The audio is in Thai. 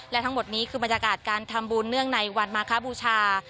และทั้งหมดนี้คือบรรยากาศการทำบุญเนื่องในวันมาคบูชา